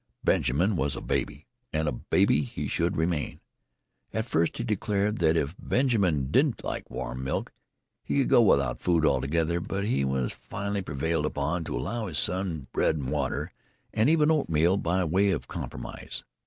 Benjamin was a baby, and a baby he should remain. At first he declared that if Benjamin didn't like warm milk he could go without food altogether, but he was finally prevailed upon to allow his son bread and butter, and even oatmeal by way of a compromise.